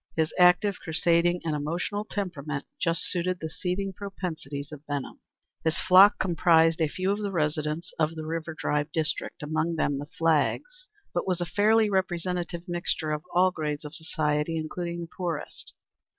His active, crusading, and emotional temperament just suited the seething propensities of Benham. His flock comprised a few of the residents of the River Drive district, among them the Flaggs, but was a fairly representative mixture of all grades of society, including the poorest.